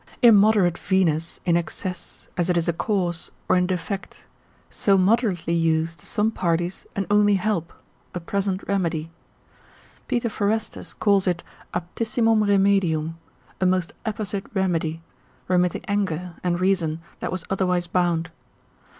Immoderate Venus in excess, as it is a cause, or in defect; so moderately used to some parties an only help, a present remedy. Peter Forestus calls it aptissimum remedium, a most apposite remedy, remitting anger, and reason, that was otherwise bound.